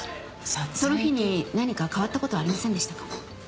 その日に何か変わったことはありませんでしたか？